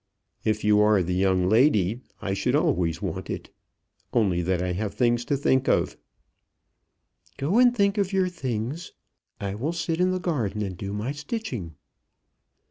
"If you are the young lady, I should always want it only that I have things to think of." "Go and think of your things. I will sit in the garden and do my stitching."